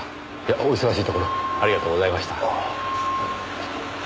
お忙しいところありがとうございました。